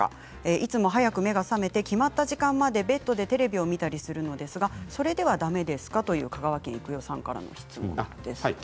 いつも早く目が覚めて決まった時間までベッドでテレビを見たりするのですがそれではだめですか？という香川県の方からの質問です。